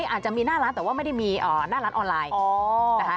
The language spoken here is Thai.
อาจจะมีหน้าร้านแต่ว่าไม่ได้มีหน้าร้านออนไลน์นะคะ